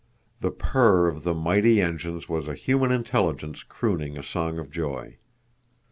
The purr of the mighty engines was a human intelligence crooning a song of joy.